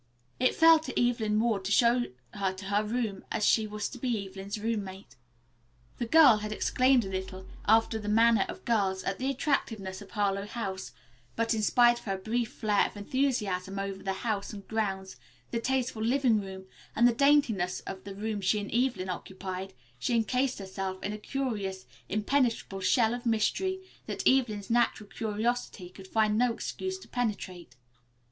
It fell to Evelyn Ward to show her to her room, as she was to be Evelyn's roommate. The girl had exclaimed a little, after the manner of girls, at the attractiveness of Harlowe House, but in spite of her brief flare of enthusiasm over the house and grounds, the tasteful living room and the daintiness of the room she and Evelyn occupied, she encased herself in a curious, impenetrable shell of mystery that Evelyn's natural curiosity could find no excuse to penetrate.